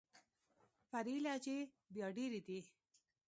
فرعي لهجې بيا ډېري دي.